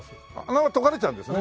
縄解かれちゃうんですね。